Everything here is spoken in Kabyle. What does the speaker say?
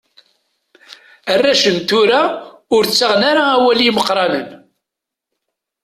Arrac n tura ur ttaɣen ara awal i yimeqqranen.